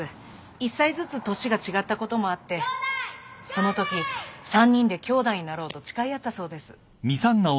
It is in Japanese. １歳ずつ年が違ったこともあってそのとき３人できょうだいになろうと誓い合ったそうです。